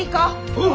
おう！